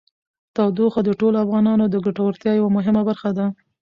تودوخه د ټولو افغانانو د ګټورتیا یوه مهمه برخه ده.